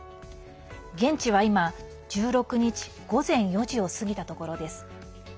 現地は今、１６日午前４時を過ぎたところです。